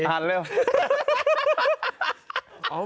หันเร็ว